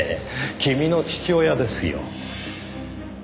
君の父親ですよ。